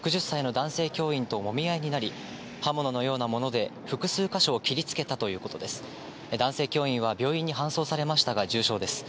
男性教員は病院に搬送されましたが、重傷です。